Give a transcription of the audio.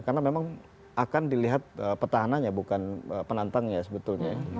karena memang akan dilihat petahananya bukan penantangnya sebetulnya